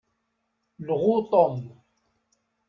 Lɣu Tom.